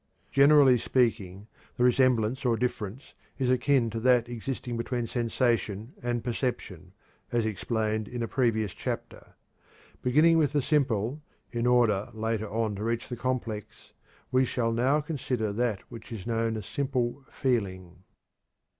Generally speaking, the resemblance or difference is akin to that existing between sensation and perception, as explained in a previous chapter. Beginning with the simple, in order later on to reach the complex, we shall now consider that which is known as simple "feeling."